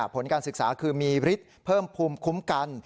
ผลการศึกษาคือมีฤทธิ์เพิ่มภูมิคุ้มกัน